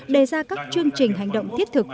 đề ra các chương trình hành động thiết thực